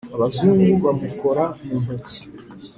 abazungu bamukora mu ntoki